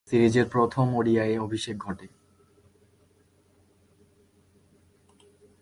সিরিজের প্রথম ওডিআইয়ে অভিষেক ঘটে।